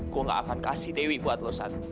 gue gak akan kasih dewi buat lu sat